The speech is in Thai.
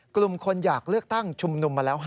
กลุ่มคนอยากเลือกตั้งชุมนุมมาแล้ว